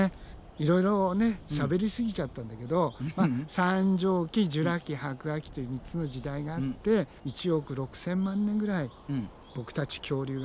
いろいろしゃべりすぎちゃったんだけど三畳紀ジュラ紀白亜紀という３つの時代があって１億６，０００万年ぐらいボクたち恐竜がね